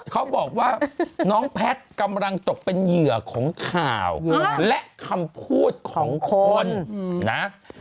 เขาบอกว่าน้องแพทย์กำลังตกเป็นเหยื่อของข่าวและคำพูดของคนนะ